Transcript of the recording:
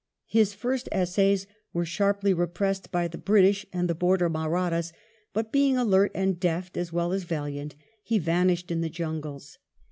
His first essays were sharply repressed by the British and the border Mahrattas, but being alert and deft, as well as valiant, he vanished in the jungles.